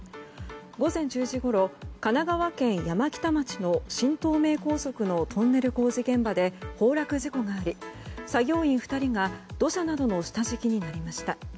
午前１０時ごろ神奈川県山北町の新東名高速のトンネル工事現場で崩落事故があり、作業員２人が土砂などの下敷きになりました。